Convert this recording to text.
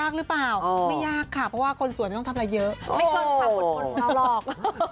ไม่เคยต่างกับคนเราหรอก